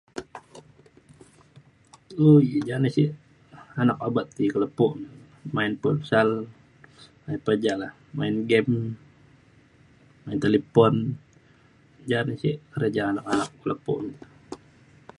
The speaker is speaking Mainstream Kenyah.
jan ni si' anak abet ti ka' lepo' main putsal main pa ja la'a main game main talipon jan ni si' kerja anak-anak ka lepo' ulu